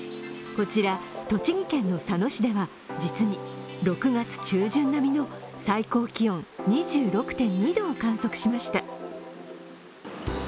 こちら栃木県の佐野市では実に６月中旬並みの最高気温２６．２度を観測しました。